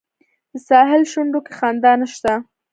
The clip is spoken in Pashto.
د ساحل شونډو کې خندا نشته